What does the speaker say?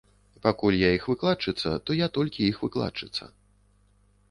Пакуль я іх выкладчыца, то я толькі іх выкладчыца.